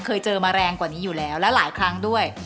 เคยเจอมาแรงกว่านี้อยู่แล้วและหลายครั้งด้วย